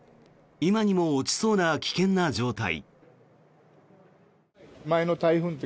今にも落ちそうな危険な状態。